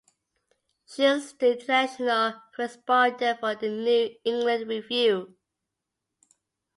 She is the international correspondent for "The New England Review".